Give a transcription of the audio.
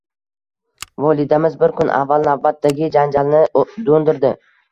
Volidamiz bir kun avval navbatdagi janjalni doʻndirdi.